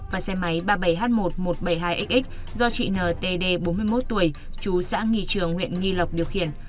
và xe máy ba mươi bảy h một một trăm bảy mươi hai xx do chị ntd bốn mươi một tuổi chú xã nghi trường huyện nghi lộc điều khiển